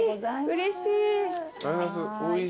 うれしい。